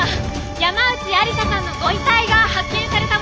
山内愛理沙さんのご遺体が発見されたもようです。